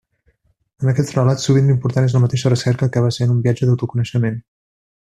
En aquests relats sovint l'important és la mateixa recerca, que acaba sent un viatge d'autoconeixement.